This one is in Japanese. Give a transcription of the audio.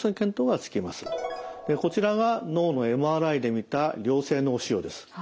こちらが脳のＭＲＩで見た良性脳腫瘍です。